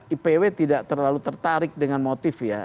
ipw tidak terlalu tertarik dengan motif ya